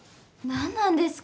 なんなんですか？